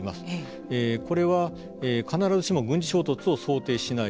これは必ずしも軍事衝突を想定しない。